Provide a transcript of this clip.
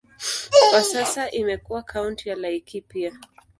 Kwa sasa imekuwa kaunti ya Laikipia.